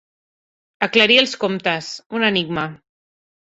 Aclarir els comptes, un enigma.